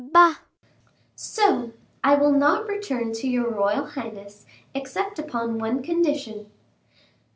"Bah!" "So, I will not return to your royal highness, except upon one condition."